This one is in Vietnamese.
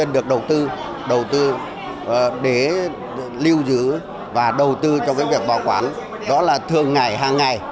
đầu tư để lưu giữ và đầu tư trong việc bảo quản đó là thường ngày hàng ngày